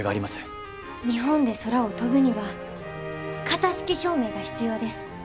日本で空を飛ぶには型式証明が必要です。